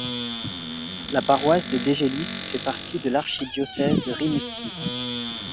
La paroisse de Dégelis fait partie de l'archidiocèse de Rimouski.